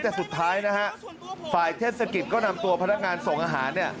แต่สุดท้ายฝ่ายเทศกิจก็นำตัวพนักงานส่งอาหาร